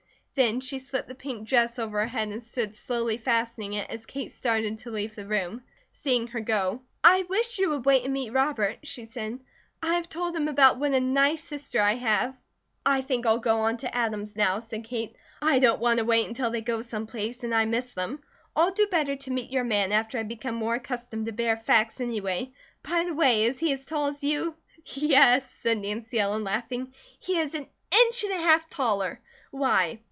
Then she slipped the pink dress over her head and stood slowly fastening it as Kate started to leave the room. Seeing her go: "I wish you would wait and meet Robert," she said. "I have told him about what a nice sister I have." "I think I'll go on to Adam's now," said Kate. "I don't want to wait until they go some place, and I miss them. I'll do better to meet your man after I become more accustomed to bare facts, anyway. By the way, is he as tall as you?" "Yes," said Nancy Ellen, laughing. "He is an inch and a half taller. Why?"